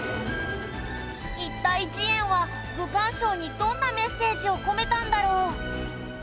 一体慈円は『愚管抄』にどんなメッセージを込めたんだろう？